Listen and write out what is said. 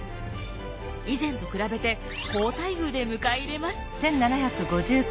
以前と比べて好待遇で迎え入れます。